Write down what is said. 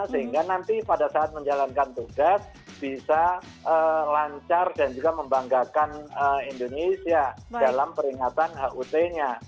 sehingga nanti pada saat menjalankan tugas bisa lancar dan juga membanggakan indonesia dalam peringatan hut nya